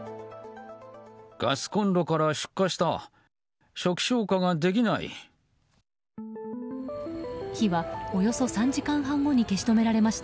ガスコンロから出火した。